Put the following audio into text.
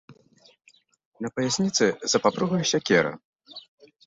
На паясніцы, за папругаю, сякера.